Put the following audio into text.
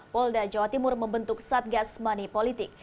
polda jawa timur membentuk satgas money politik